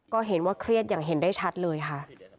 ก็เห็นว่าเครียดอย่างเห็นได้ชัดเลยค่ะ